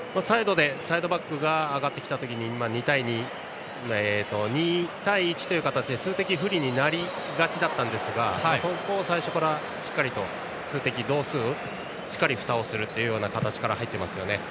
サイドバックが上がった時２対１という形で数的不利になりがちだったんですがそこを最初からしっかりと数的同数でしっかりふたをする形ですね。